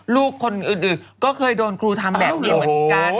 ลูกคนอื่นก็เคยโดนครูทำแบบนี้เหมือนกัน